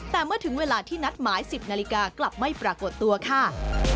แต่เมื่อถึงเวลาที่นัดหมาย๑๐นาฬิกากลับไม่ปรากฏตัวค่ะ